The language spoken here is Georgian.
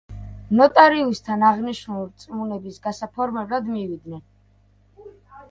ნოტარიუსთან, აღნიშნული რწმუნების გასაფორმებლად მივიდნენ.